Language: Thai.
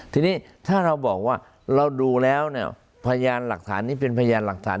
ทีนี้ถ้าเราบอกว่าเราดูแล้วเนี่ยพยานหลักฐานนี้เป็นพยานหลักฐาน